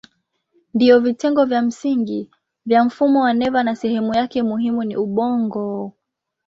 Ndiyo vitengo vya msingi vya mfumo wa neva na sehemu yake muhimu ni ubongo.